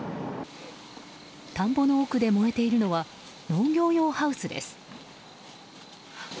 田んぼの奥で燃えているのは農業用ハウスです。